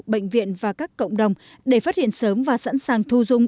bệnh viện và các cộng đồng để phát hiện sớm và sẵn sàng thu dung